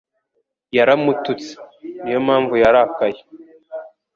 Yaramututse. Niyo mpamvu yarakaye.